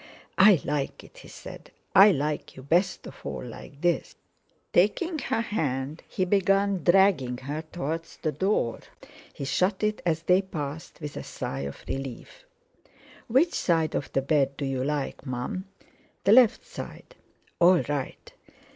"I like it," he said: "I like you best of all like this." Taking her hand, he had begun dragging her towards the door. He shut it as they passed, with a sigh of relief. "Which side of the bed do you like, Mum?" "The left side." "All right."